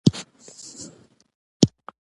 په اوبو، هوا او خاورو کې موجود دي.